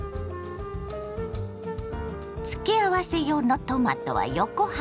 付け合わせ用のトマトは横半分に。